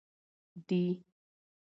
دي